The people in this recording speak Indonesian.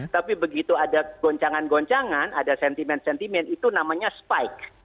tapi begitu ada goncangan goncangan ada sentimen sentimen itu namanya spike